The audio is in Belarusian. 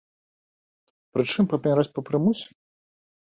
Пры чым паміраць па прымусе?